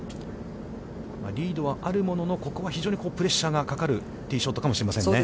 リードはあるものの、ここは非常にプレッシャーがかかるティーショットかもしれませんね。